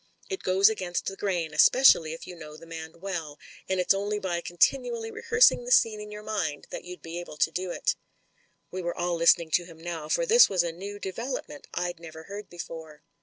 It goes against the grain, especially if you know the man well, and it's only by continually rehearsing the scene in your mind that you'd be able to do it." We were all listening to him now, for this was a new development I'd never heard before.